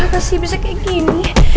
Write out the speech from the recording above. ya allah makasih bisa kayak gini